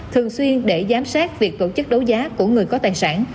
thường xuyên để giám sát việc tổ chức đấu giá của người có tài sản